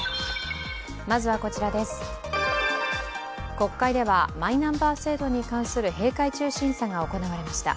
国会ではマイナンバー制度に関する閉会中審査が行われました。